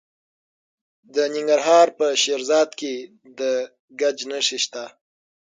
د ننګرهار په شیرزاد کې د ګچ نښې شته.